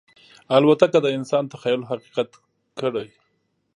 الوتکه د انسان تخیل حقیقت کړی.